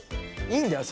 いいんだよ